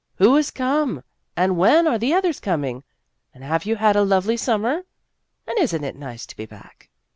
Who has come ? and when are the others coming ? and have you had a lovely summer ? and is n't it nice to be back